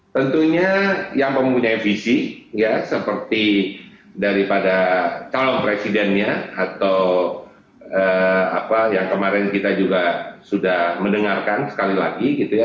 tentunya yang mempunyai visi ya seperti daripada calon presidennya atau apa yang kemarin kita juga sudah mendengarkan sekali lagi gitu ya